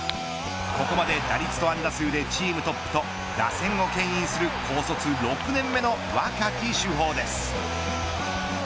ここまで打率と安打数でチームトップと打線をけん引する高卒６年目の若き主砲です。